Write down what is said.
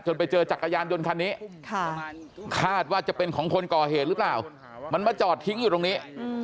ไปเจอจักรยานยนต์คันนี้คาดว่าจะเป็นของคนก่อเหตุหรือเปล่ามันมาจอดทิ้งอยู่ตรงนี้